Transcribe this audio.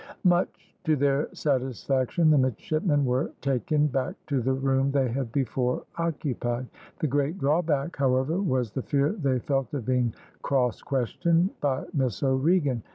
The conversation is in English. Much to their satisfaction the midshipmen were taken back to the room they had before occupied. The great drawback, however, was the fear they felt of being cross questioned by Miss O'Regan.